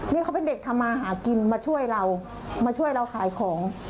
นี่เขาเป็นเด็กทำมาหากินมาช่วยเรามาช่วยเราขายของ